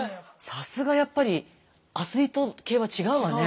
さすがやっぱりアスリート系は違うわね。